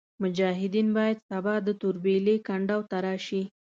مجاهدین باید سبا د توربېلې کنډو ته راشي.